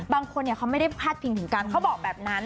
บางคนเขาไม่ได้พาดพิงถึงกันเขาบอกแบบนั้น